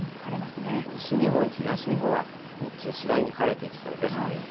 西日本、東日本は日中、次第に晴れてきそうです。